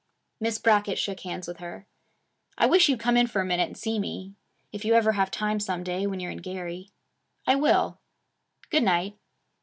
Miss Brackett shook hands with her. 'I wish you would come in for a minute and see me, if you ever have time some day when you're in Gary.' 'I will.' 'Good night.'